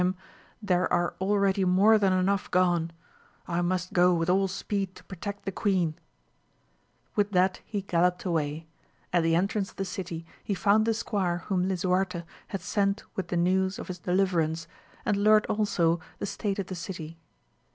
207 there are already more than enough gone: I must go with all speed to protect the Queen : With that he gallopped away : at the entrance of the city he found the squire whom Lisuarte had sent with the news of his deliverance, and learnt also the state of the city.